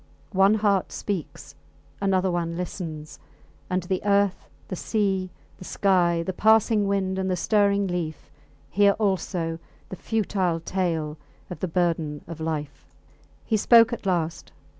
One heart speaks another one listens; and the earth, the sea, the sky, the passing wind and the stirring leaf, hear also the futile tale of the burden of life. He spoke at last.